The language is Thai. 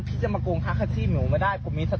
พี่จะมาโกงค่าแท็กซี่เหมือนผมไม่ได้ผมมีสตินะ